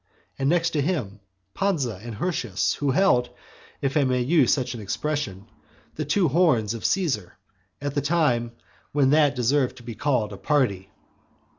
and next to him Pansa and Hirtius, who held, (if I may use such an expression,) the two horns of Caesar, at the time when that deserved to be called a party.